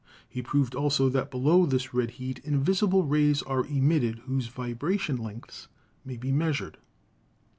He proved also that below this red heat invisible rays are emitted whose vibration lengths may be measured.